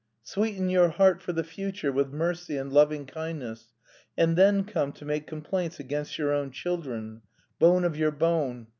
"Sweeten your heart for the future with mercy and loving kindness, and then come to make complaints against your own children; bone of your bone.